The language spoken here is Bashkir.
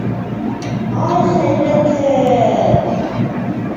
Ай, хәйләкәр!